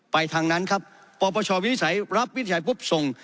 ไปทางนั้นครับปประชาวิทยาศัยรับวิทยาศัยปุ๊บส่ง